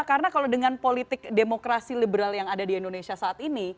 karena kalau dengan politik demokrasi liberal yang ada di indonesia saat ini